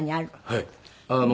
はい。